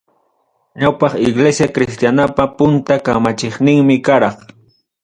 Ñawpaq Iglesia Cristianapa punta kamachiqninmi karaq.